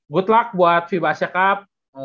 good luck buat fiba asia cup